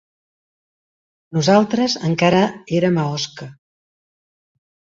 Nosaltres encara érem a Osca